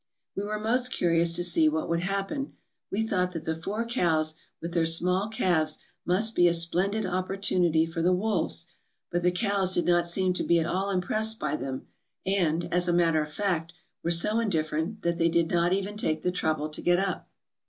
"We were most curious to see what would happen. We thought that the four cows with their small calves must be a splendid opportunity for the wolves, but the cows did not seem to be at all impressed by them; and, as a matter of fact, were so indifferent that they did not even take the trouble to get up.